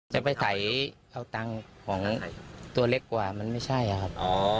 จะไปใส่เอาตังค์ของตัวเล็กกว่ามันไม่ใช่ครับ